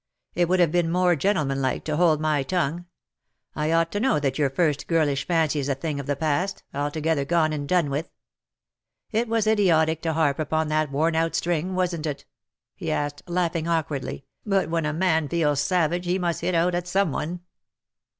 It would have been more gentlemanlike to hold my WE DRAW NIGH THEE." 171 tongue. I ought to know that your first girlish fancy is a thing of the past — altogether gone and done with. It was idiotic to harp upon that worn out string, wasn't it T' he asked, laughing awk wardly; " but when a man feels savage he must hit out at some one.'